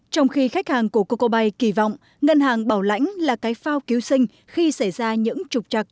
trong khi khách hàng của coco bay kỳ vọng ngân hàng bảo lãnh là cái phao cứu sinh khi xảy ra những trục trặc